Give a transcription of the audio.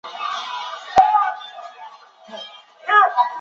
伊凡雷帝和捷姆留克的女儿结姻。